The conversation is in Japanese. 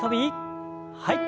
はい。